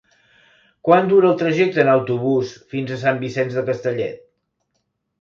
Quant dura el trajecte en autobús fins a Sant Vicenç de Castellet?